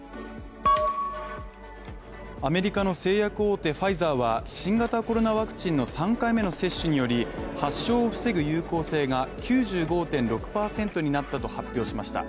アメリカの製薬大手ファイザーは新型コロナワクチンの３回目の接種により発症を防ぐ有効性が９５．６％になったと発表しました。